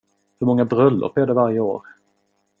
Hur många bröllop är det varje år?